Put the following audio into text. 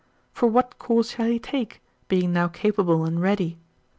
For what course shall he take, being now capable and ready?